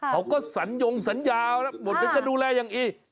เขาก็สัญญงสัญญาบอกเดี๋ยวจะดูแลอย่างอีก